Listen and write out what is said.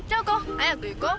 早く行こう。